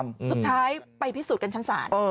สุดท้ายไปพิสูจน์กันชั้นศาล